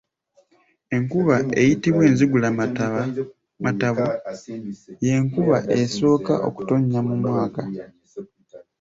Enkuba eyitibwa enzigulamatabo y'enkuba esooka okutonnya mu mwaka.